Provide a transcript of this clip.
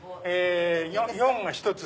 ４が１つ！